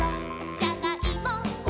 じゃがいも」「」